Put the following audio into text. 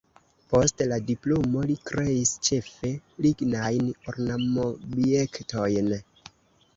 Post la diplomo li kreis ĉefe lignajn ornamobjektojn.